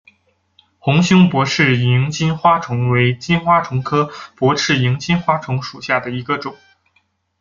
红胸薄翅萤金花虫为金花虫科薄翅萤金花虫属下的一个种。